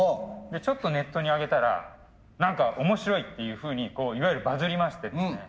ちょっとネットに上げたら何か面白いっていうふうにいわゆるバズりましてですね